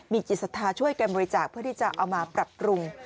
มีจิตศรัทธาช่วยกันบริจาคเพื่อที่จะเอามาปรับปรุง